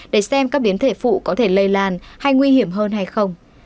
để xem các biến thể phụ có thể lây lan hay nguy hiểm hơn hay không